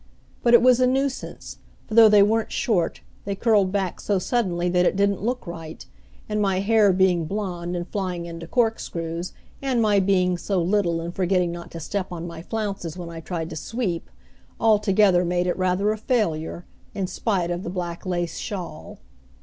But it was a nuisance, for though they weren't short they curled back so suddenly that it didn't look right; and my hair being blond and flying into corkscrews, and my being so little, and forgetting not to step on my flounces when I tried to "sweep," altogether made it rather a failure, in spite of the black lace shawl.